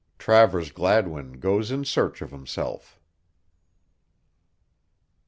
TRAVERS GLADWIN GOES IN SEARCH OF HIMSELF.